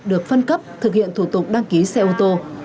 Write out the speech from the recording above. được phân cấp thực hiện thủ tục đăng ký xe ô tô